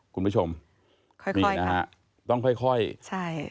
คุณผู้ชมค่อยนี่นะฮะต้องค่อยค่อยใช่